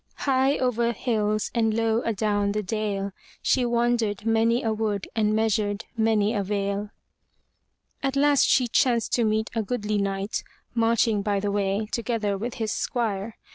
High over hills and low adown the dale, She wandered many a wood and measured many a vale. At last she chanced to meet a goodly knight marching by the way, together with his squire.